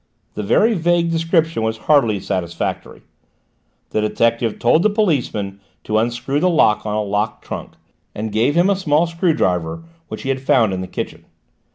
This very vague description was hardly satisfactory. The detective told the policeman to unscrew the lock on a locked trunk, and gave him a small screw driver which he had found in the kitchen.